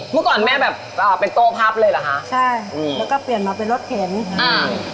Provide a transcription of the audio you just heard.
เมื่อก่อนแม่แบบอ่าเป็นโต้พับเลยเหรอคะใช่อืมแล้วก็เปลี่ยนมาเป็นรถเข็นอ่า